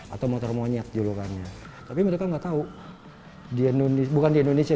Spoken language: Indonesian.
atau motor monyet julukannya tapi mereka enggak tahu di indonesia bukan di indonesia